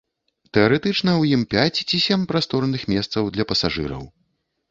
Тэарэтычна ў ім пяць ці сем прасторных месцаў для пасажыраў.